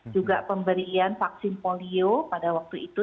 juga pemberian vaksin polio pada waktu itu